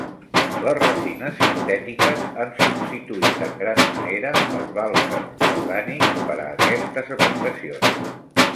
Les resines sintètiques han substituït en gran manera els bàlsams orgànics per a aquestes aplicacions.